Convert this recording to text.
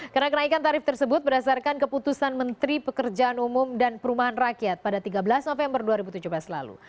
karena kenaikan tarif tersebut berdasarkan keputusan menteri pekerjaan umum dan perumahan rakyat pada tiga belas november dua ribu tujuh belas lalu